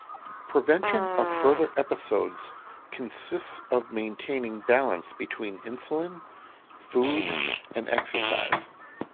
Prevention of further episodes consists of maintaining balance between insulin, food, and exercise.